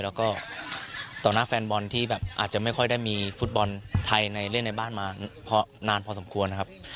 แล้วก็ต่อหน้าแฟนบอลที่แบบอาจจะไม่ค่อยได้มีฟุตบอลไทยในเล่นในบ้านมานานพอสมควรนะครับ